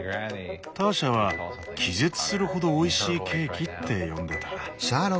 ターシャは「気絶するほどおいしいケーキ」って呼んでた。